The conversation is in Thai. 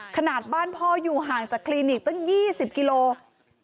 ขนาดบ้านพ่ออยู่ห่างจากคลินิกตั้ง๒๐กิโลกรัม